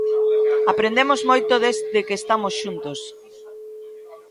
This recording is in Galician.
Aprendemos moito desde que estamos xuntos.